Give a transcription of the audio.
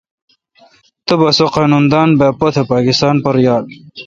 تبا سو قانون دان با پوتھ پاکستان پر یال۔